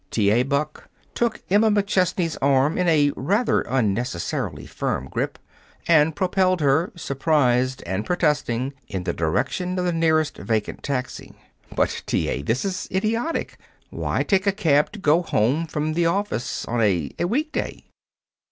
T. A. Buck took Emma McChesney's arm in a rather unnecessarily firm grip and propelled her, surprised and protesting, in the direction of the nearest vacant taxi. "But, T. A.! This is idiotic! Why take a cab to go home from the office on a a week day?"